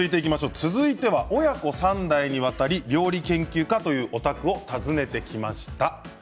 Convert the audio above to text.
続いては親子３代にわたり料理研究家というお宅を訪ねてきました。